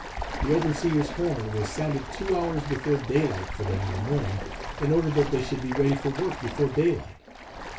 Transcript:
The overseer's horn was sounded two hours before daylight for them in the morning, in order that they should be ready for work before daylight.